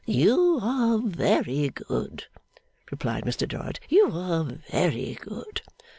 'You are very good,' replied Mr Dorrit. 'You are very good.